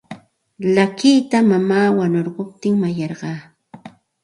Llakita mamaa wanukuptin mayarqaa.